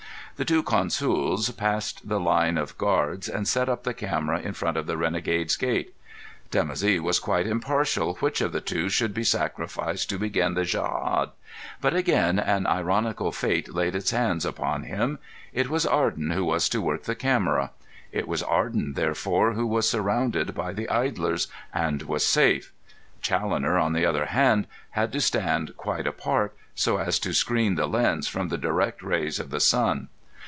The two consools passed the line of guards and set up the camera in front of the Renegade's Gate. Dimoussi was quite impartial which of the two should be sacrificed to begin the djehad, but again an ironical fate laid its hand upon him. It was Arden who was to work the camera. It was Arden, therefore, who was surrounded by the idlers, and was safe. Challoner, on the other hand, had to stand quite apart, so as to screen the lens from the direct rays of the sun.